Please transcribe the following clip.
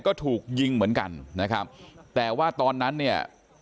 ก็ถูกยิงเหมือนกันนะครับแต่ว่าตอนนั้นเนี่ย